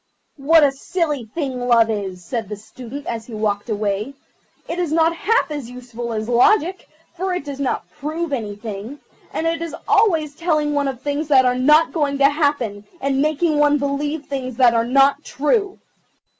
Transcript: "What a silly thing Love is," said the Student as he walked away. "It is not half as useful as Logic, for it does not prove anything, and it is always telling one of things that are not going to happen, and making one believe things that are not true.